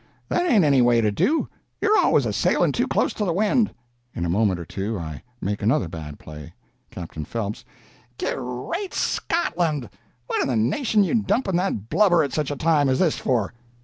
That ain't any way to do; you're always a sailin' too close to the wind." (In a moment or two I make another bad play.) Captain Phelps—"Ger reat Scotland! What in the nation you dumpin' that blubber at such a time as this for?